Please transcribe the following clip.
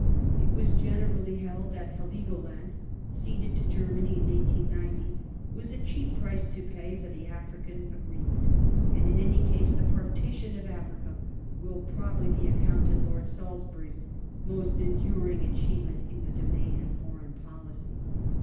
It was generally held that Heligoland — ceded to Germany in 1890 — was a cheap price to pay for the African agreement, and, in any case, the partition of Africa will probably be accounted Lord Salisbury's most enduring achievement in the domain of Foreign Policy.